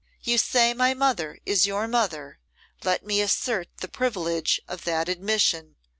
You say my mother is your mother. Let me assert the privilege of that admission.